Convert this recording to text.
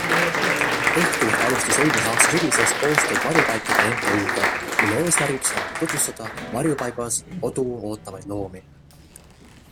Õhtuleht alustas eelmise aasta sügisest koostööd Varjupaikade MTÜga, mille eesmärgiks on tutvustada varjupaigas kodu ootavaid loomi.